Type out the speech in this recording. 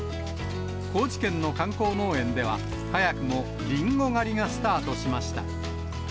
高知県の観光農園では、早くもリンゴ狩りがスタートしました。